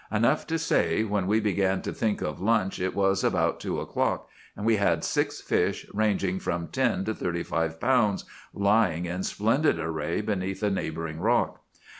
Enough to say, when we began to think of lunch it was about two o'clock; and we had six fish, ranging from ten to thirty five pounds, lying in splendid array beneath a neighboring rock.